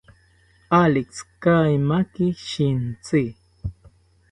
Alex, kaimaki shintzi